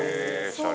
オシャレ。